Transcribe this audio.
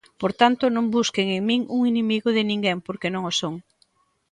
Por tanto, non busquen en min un inimigo de ninguén porque non o son.